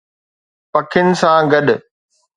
پکين سان گڏ